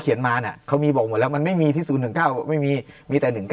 มาเนี่ยเขามีบอกหมดแล้วมันไม่มีที่๐๑๙ไม่มีมีแต่๑๙